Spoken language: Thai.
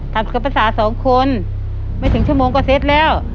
กับภาษาสองคนไม่ถึงชั่วโมงก็เสร็จแล้ว